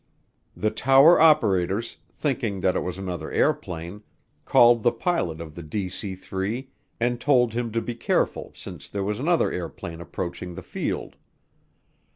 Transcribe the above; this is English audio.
The tower operators, thinking that it was another airplane, called the pilot of the DC 3 and told him to be careful since there was another airplane approaching the field.